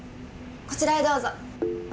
こちらへどうぞ。